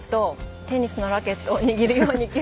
テニスのラケットを握るようにぎゅっと。